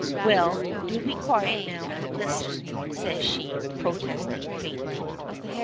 "Well, do be quiet now, and listen," says she, protesting faintly.